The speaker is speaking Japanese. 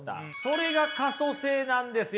それが可塑性なんですよ。